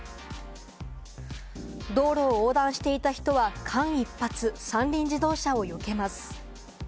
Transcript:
道路を横断していた人は間一髪、三輪自動車をよけます。